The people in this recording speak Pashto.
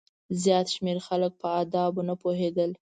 زیات شمېر خلک په آدابو نه پوهېدل.